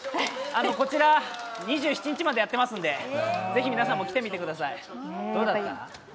こちら、２７日までやってますんで是非、皆さんも来てみてくださいどうだった？